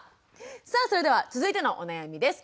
さあそれでは続いてのお悩みです。